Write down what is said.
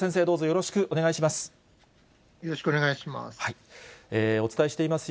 よろしくお願いします。